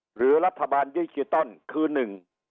หรือรัฐบาลดิจิตอลคือหนึ่ง